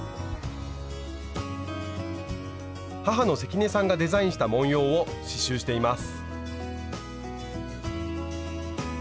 母の関根さんがデザインした文様を刺しゅうしています。